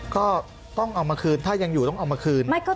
ก็ต้องเอามาคืนถ้ายังอยู่ต้องเอามาคืน